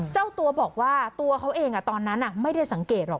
เจ้าตัวบอกว่าตัวเขาเองตอนนั้นไม่ได้สังเกตหรอก